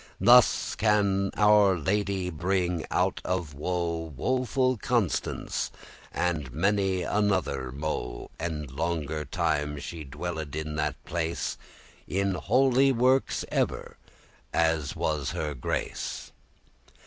Thus can our Lady bringen out of woe Woeful Constance, and many another mo': And longe time she dwelled in that place, In holy works ever, as was her grace.